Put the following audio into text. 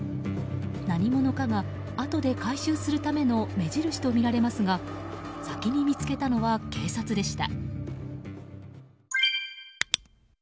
何者かがあとで回収するための目印とみられますが先に見つけたのは警察でした。